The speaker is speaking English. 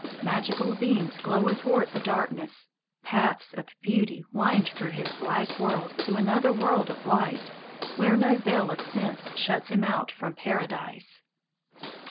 Magical beams glow athwart the darkness; Paths of beauty wind through his black world To another world of light, Where no veil of sense shuts him out from Paradise.